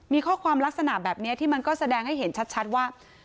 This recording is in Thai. มีข้อความลักษณะแบบนี้ที่มันก็แสดงให้เห็นชัดว่า